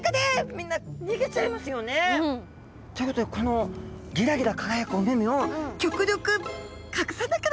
みんな逃げちゃいますよね。ということでこのギラギラ輝くお目目を極力隠さなければ！